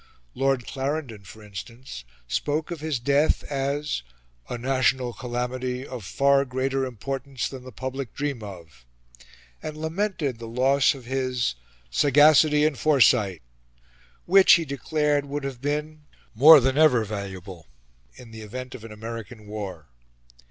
Lord Clarendon, for instance, spoke of his death as "a national calamity of far greater importance than the public dream of," and lamented the loss of his "sagacity and foresight," which, he declared, would have been "more than ever valuable" in the event of an American war.